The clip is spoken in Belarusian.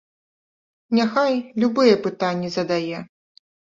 Няхай любыя пытанні задае!